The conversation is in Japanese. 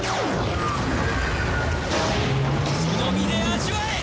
その身で味わえ！